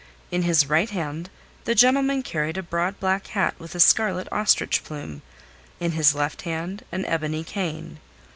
In his right hand the gentleman carried a broad black hat with a scarlet ostrich plume, in his left hand an ebony cane.